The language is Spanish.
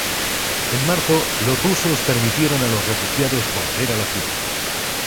En marzo los rusos permitieron a los refugiados volver a la ciudad.